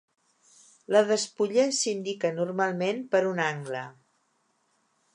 La despulla s'indica normalment per un angle.